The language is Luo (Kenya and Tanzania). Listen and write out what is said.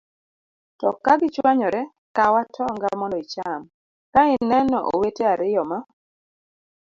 To ka gichwanyore, kaw atonga mondo icham. Ka ineno owete ariyo ma